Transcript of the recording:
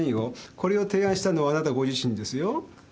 これを提案したのはあなたご自身ですよ。